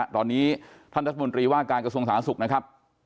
ตอนนี้ท่านรัฐมนตรีว่าการกระทรวงศาสตร์ธรรมนาศุกร์